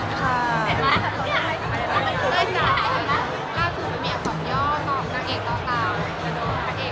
ใครเราเลย